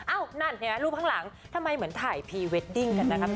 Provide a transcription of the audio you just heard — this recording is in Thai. นั่นเนี่ยรูปข้างหลังทำไมเหมือนถ่ายพรีเวดดิ้งกันนะครับ